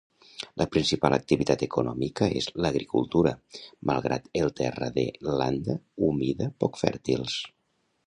La principal activitat econòmica és l'agricultura malgrat el terra de landa humida poc fèrtils.